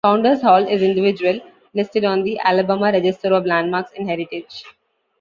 Founders Hall is individual listed on the Alabama Register of Landmarks and Heritage.